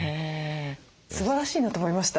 すばらしいなと思いました。